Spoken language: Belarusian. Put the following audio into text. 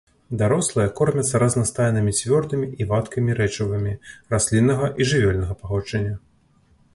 Дарослыя кормяцца разнастайнымі цвёрдымі і вадкімі рэчывамі расліннага і жывёльнага паходжання.